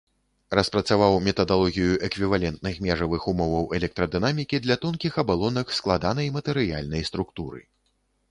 Распрацаваў метадалогію эквівалентных межавых умоваў электрадынамікі для тонкіх абалонак складанай матэрыяльнай структуры.